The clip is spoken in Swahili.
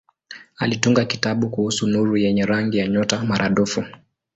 Alitunga kitabu kuhusu nuru yenye rangi ya nyota maradufu.